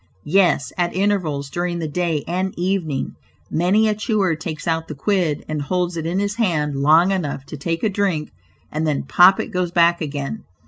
yes, at intervals during the day and evening, many a chewer takes out the quid and holds it in his hand long enough to take a drink, and then pop it goes back again.